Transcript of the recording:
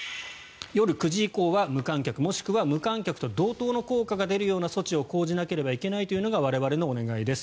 夜９時以降は無観客もしくは無観客と同等の効果が出るような措置を講じなければいけないというのが我々のお願いです。